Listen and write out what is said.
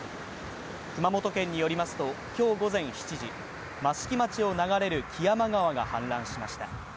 熊本県によりますと、今日午前７時、益城町を流れる木山川が氾濫しました。